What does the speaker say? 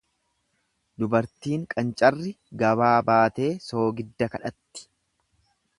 Dubartiin qancarri gabaa baatee soogidda kadhatti.